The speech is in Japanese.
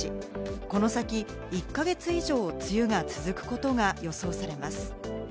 この先、１か月以上梅雨が続くことが予想されます。